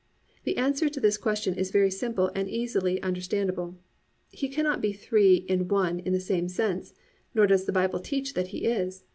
The answer to this question is very simple and easily understandable. He cannot be three in one in the same sense, nor does the Bible teach that He is.